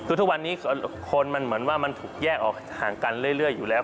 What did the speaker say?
คือทุกวันนี้คนมันเหมือนว่ามันถูกแยกออกห่างกันเรื่อยอยู่แล้ว